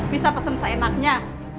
bisa pesen seenaknya